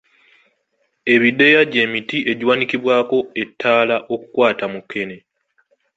Ebideeya gye miti egiwanikibwako ettaala okukwata mukene.